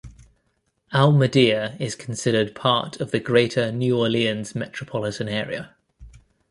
Almedia is considered part of the Greater New Orleans Metropolitan area.